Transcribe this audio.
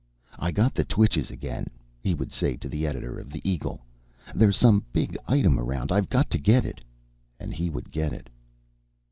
"I got the twitches again," he would say to the editor of the "Eagle." "There's some big item around. I've got to get it." And he would get it.